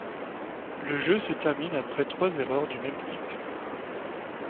Le jeu se termine après trois erreurs du même type.